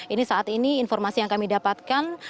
ini saat ini informasi yang kami dapatkan